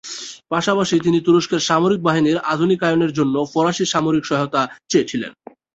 পাশাপাশি তিনি তুরস্কের সামরিক বাহিনীর আধুনিকায়নের জন্য ফরাসি সামরিক সহায়তা চেয়েছিলেন।